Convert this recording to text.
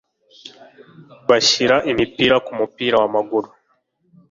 bashyira imipira ku mupira wamaguru